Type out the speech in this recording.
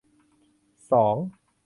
สอง